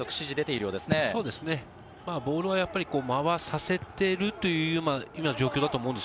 そうですね、ボールは回させているという今の状況だと思います。